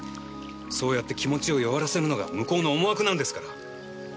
そうやって気持ちを弱らせるのが向こうの思惑なんですから！